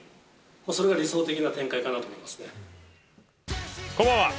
それが理想的な展開かなと思いまこんばんは。